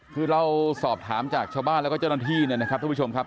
คือเราสอบถามจากชาวบ้านแล้วก็เจ้าหน้าที่เนี่ยนะครับทุกผู้ชมครับ